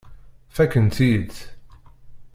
Fakkent-iyi-tt.